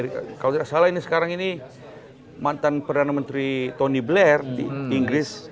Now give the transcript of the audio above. kalau tidak salah ini sekarang ini mantan perdana menteri tony blair di inggris